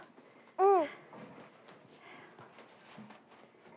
うん。